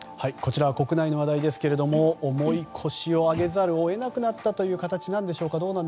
国内の話題ですが重い腰を上げざるを得なくなった形なんでしょうか。